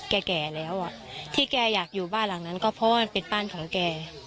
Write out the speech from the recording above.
แก่แก่แล้วที่แกอยากอยู่บ้านหลังนั้นก็เพราะว่ามันเป็นบ้านของแก